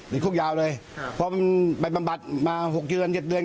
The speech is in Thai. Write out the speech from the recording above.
ถึงคุกยาวเลยพอไปบับบัตร๖เดือน๗เดือน